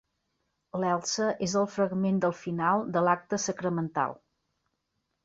L'Elsa és el fragment del final de l'acte sacramental.